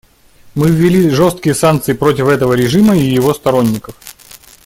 Мы ввели жесткие санкции против этого режима и его сторонников.